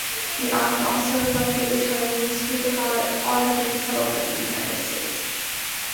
The Act also affected the Chinese who had already settled in the United States.